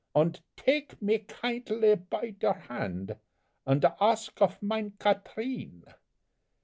Und dake me kindtly py der hand, Und ask off mine Katrine.